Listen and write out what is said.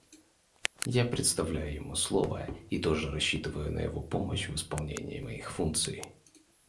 Я предоставляю ему слово и тоже рассчитываю на его помощь в исполнении моих функций.